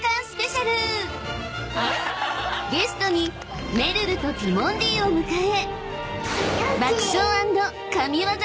［ゲストにめるるとティモンディを迎え］